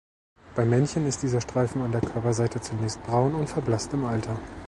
Bei Männchen ist dieser Streifen an der Körperseite zunächst braun und verblasst im Alter.